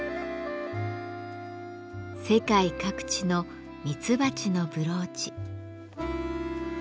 世界各地のミツバチのブローチ。